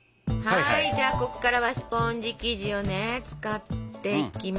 はいじゃあここからはスポンジ生地をね使っていきますよ。